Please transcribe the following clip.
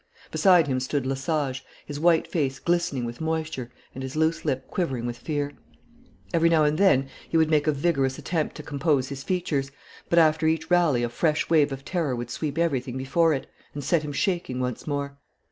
Beside him stood Lesage, his white face glistening with moisture and his loose lip quivering with fear. Every now and then he would make a vigorous attempt to compose his features, but after each rally a fresh wave of terror would sweep everything before it, and set him shaking once more.